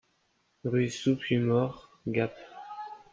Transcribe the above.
Rue sous Puymaure, Gap